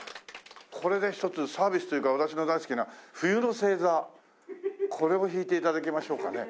これで一つサービスというか私の大好きな『冬の星座』これを弾いて頂きましょうかね。